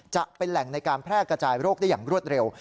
จะเป็นแหล่งในการแพร่กระจายโรคได้อย่างรวดเร็ว